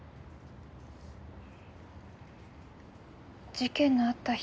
事件のあった日。